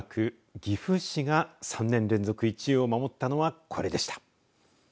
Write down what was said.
岐阜市が３年連続１位を守ったのはこれでした。